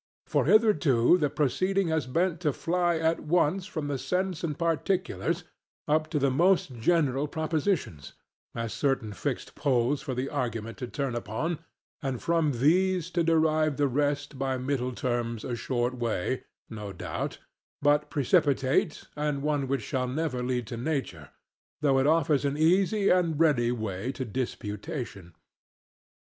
For hitherto the proceeding has been to fly at once from the sense and particulars up to the most general propositions, as certain fixed poles for the argument to turn upon, and from these to derive the rest by middle terms a short way, no doubt, but precipitate, and one which will never lead to nature, though it offers an easy and ready way to disputation.